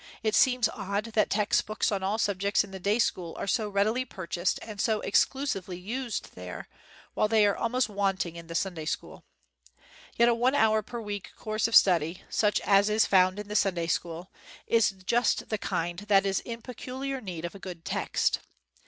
It seems odd that text books on all subjects in the day school are so readily purchased and so exclusively used there, while they are al most wanting in the Sunday school. Yet a x INTRODUCTION one hour per week course of study — such as is found in the Sunday school — is just the kind that is in peculiar need of a good text.